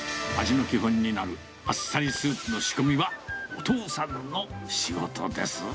味の基本になるあっさりスープの仕込みは、お父さんの仕事です。